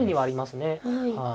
はい。